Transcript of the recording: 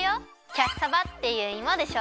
キャッサバっていうイモでしょ？